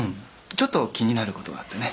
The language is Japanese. ちょっと気になることがあってね。